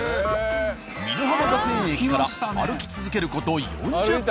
美乃浜学園駅から歩き続ける事４０分。